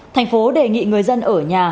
thành phố đề nghị người dân ở nhà